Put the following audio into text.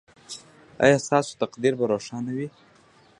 ایا ستاسو تقدیر به روښانه وي؟